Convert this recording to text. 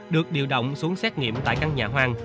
được điều động xuống xét nghiệm tại căn nhà hoang